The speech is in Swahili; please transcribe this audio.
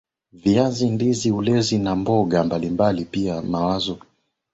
viazi ndizi ulezi na mboga mbalimbali Pia mazao ya biashara kama vile kahawa nyanya